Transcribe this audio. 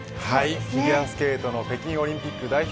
フィギュアスケートの北京オリンピック代表